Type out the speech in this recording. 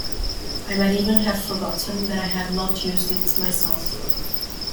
I might even have forgotten that I had not used it myself.